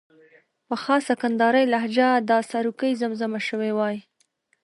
په خاصه کندارۍ لهجه دا سروکی زمزمه شوی وای.